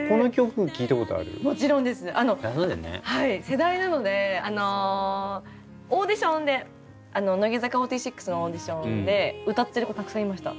世代なのでオーディションで乃木坂４６のオーディションで歌ってる子たくさんいました。